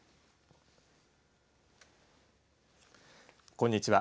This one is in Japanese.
こんにちは。